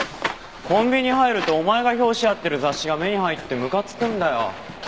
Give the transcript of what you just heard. コンビニ入るとお前が表紙やってる雑誌が目に入ってむかつくんだよ。